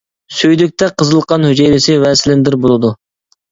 سۈيدۈكتە قىزىل قان ھۈجەيرىسى ۋە سىلىندىر بولىدۇ.